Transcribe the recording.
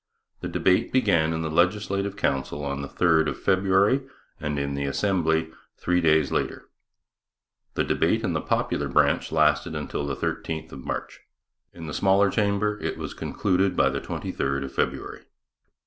The debate began in the Legislative Council on the 3rd of February and in the Assembly three days later. The debate in the popular branch lasted until the 13th of March; in the smaller chamber it was concluded by the 23rd of February.